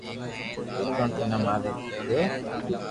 نيتوڻ ٿني ماري دآئو